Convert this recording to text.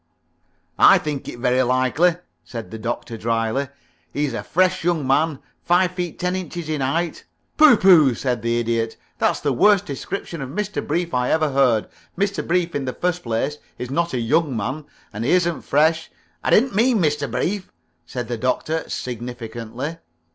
"I think it very likely," said the Doctor, dryly. "He's a fresh young man, five feet ten inches in height " "Pooh pooh!" said the Idiot. "That's the worst description of Mr. Brief I ever heard. Mr. Brief, in the first place, is not a young man, and he isn't fresh " "I didn't mean Mr. Brief," said the Doctor, significantly.